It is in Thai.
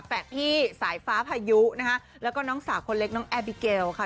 แฝดพี่สายฟ้าพายุนะคะแล้วก็น้องสาวคนเล็กน้องแอบิเกลค่ะ